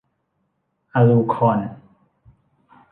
อลูคอน